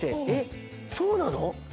えっそうなの？